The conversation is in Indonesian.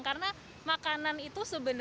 karena makanan itu sebenarnya